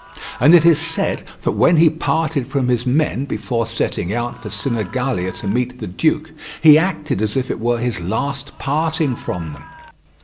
And it is said that when he parted from his men before setting out for Sinigalia to meet the duke he acted as if it were his last parting from them.